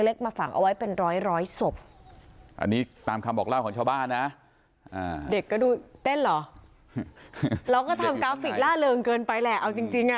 เราก็ทำกราฟิกล่าเริงเกินไปแหละเอาจริงอ่ะ